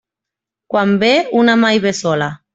Quan ve, una mai ve sola.